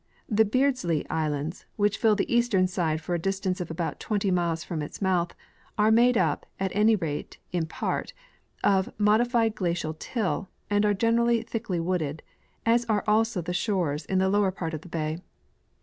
The Beardslee islands, which fill the eastern side for a distance of about twenty miles from its mouth, are made up, at any rate in })art, of modified glacial till, and are generally thickly wooded, as are also the shores in the lower part of the bay.